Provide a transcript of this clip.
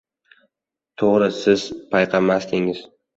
Toʻgʻri, siz payqamasdingiz.